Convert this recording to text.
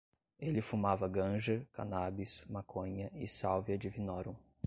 Ele fumava ganja, cannabis, maconha e salvia divinorum